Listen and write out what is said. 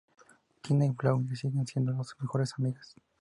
Tina y Blaine siguen siendo las mejores amigas.